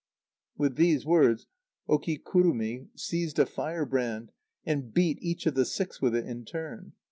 With these words, Okikurumi seized a fire brand, and beat each of the six with it in turn.